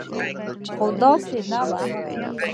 خو داسې نه و.